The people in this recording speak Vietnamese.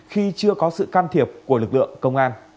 khi chưa có sự can thiệp của lực lượng công an